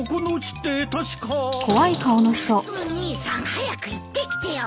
早く行ってきてよ。